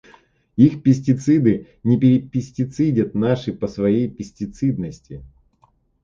Их пестициды не перепистицидят наши по своей пестицидности.